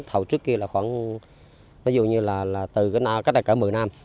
thầu trước kia là khoảng ví dụ như là từ cách đây cả mười năm